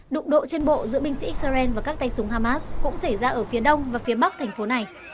đụng độ trên bộ giữa binh sĩ israel và các tay súng hamas cũng xảy ra ở phía đông và phía bắc thành phố này